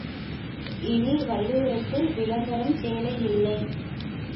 இனி வள்ளுவருக்கு விளம்பரம் தேவையில்லை.